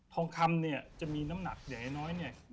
ทองคำเนี่ยจะมีน้ำหนักใหญ่น้อยเนี่ย